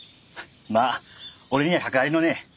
まあ俺には関わりのねえ。